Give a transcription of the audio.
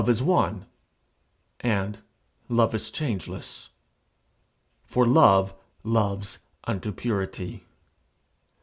Love is one, and love is changeless. For love loves unto purity.